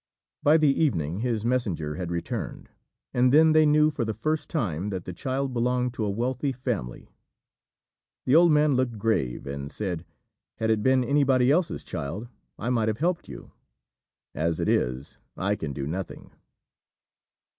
By the evening his messenger had returned, and then they knew for the first time that the child belonged to a wealthy family. The old man looked grave and said, "Had it been anybody else's child, I might have helped you; as it is I can do nothing."